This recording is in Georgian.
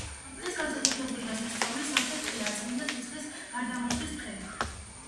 დღეს განსაკუთრებული და სასწაულით სავსე დღეა, წმინდა ცეცხლის გარდამოსვლის დღე.